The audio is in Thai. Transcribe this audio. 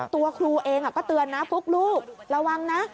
ตัวครูเองก็เตือนนะฟุ๊กลูกระวังนะ